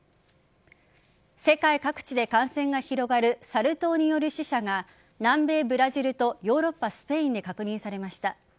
世界各地で感染が広がるサル痘による死者が南米・ブラジルとヨーロッパ・スペインで確認されました。